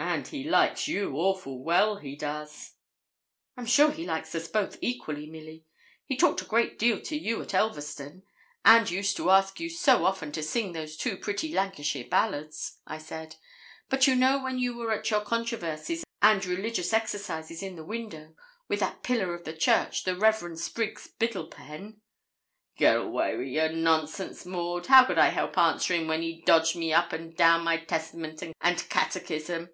'And he likes you awful well, he does.' 'I'm sure he likes us both equally, Milly; he talked a great deal to you at Elverston, and used to ask you so often to sing those two pretty Lancashire ballads,' I said; 'but you know when you were at your controversies and religious exercises in the window, with that pillar of the church, the Rev. Spriggs Biddlepen ' 'Get awa' wi' your nonsense, Maud; how could I help answering when he dodged me up and down my Testament and catechism?